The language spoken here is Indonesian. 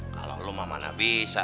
kalau lo mah mana bisa